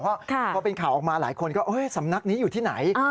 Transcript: เพราะพอเป็นข่าวออกมาหลายคนก็สำนักนี้อยู่ที่ไหน